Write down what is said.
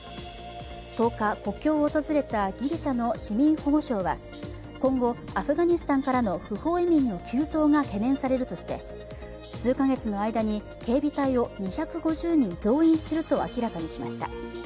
１０日、国境を訪れたギリシャの市民保護相は今後アフガニスタンから不法移民の急増が懸念されるとして数カ月の間に警備隊を２５０人増員すると明らかにしました。